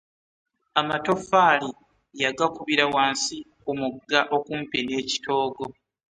Amatoffali yagakubira wansi ku mugga okumpi ne kitoogo.